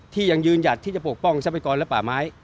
ยังยืนหยัดที่จะปกป้องทรัพยากรและป่าไม้